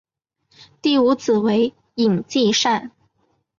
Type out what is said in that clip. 第五子为尹继善。